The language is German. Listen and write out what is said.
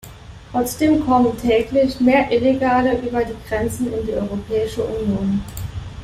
Trotzdem kommen täglich mehr Illegale über die Grenzen in die Europäische Union.